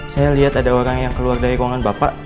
saya lihat ada orang yang keluar dari ruangan bapak